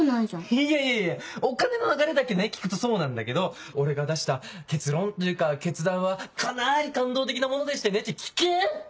いやいやいやお金の流れだけ聞くとそうなんだけど俺が出した結論というか決断はかなり感動的なものでしてねって聞け！